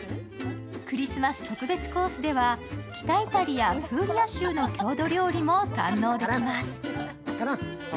クリスマス特別コースでは北イタリアプーリア州の郷土料理も堪能できます。